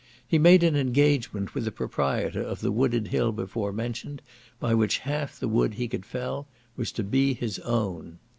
He made an engagement with the proprietor of the wooded hill before mentioned, by which half the wood he could fell was to be his own.